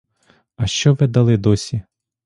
А що ви дали досі?